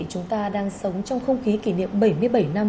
chúng ta đang sống trong không khí kỷ niệm bảy mươi bảy năm